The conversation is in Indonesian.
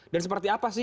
dan seperti apa sih